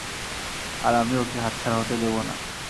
আর আমি ওকে হাতছাড়া হতে দেবো না!